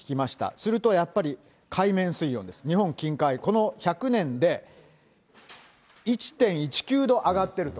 するとやっぱり、海面水温です、日本近海、この１００年で、１．１９度上がってると。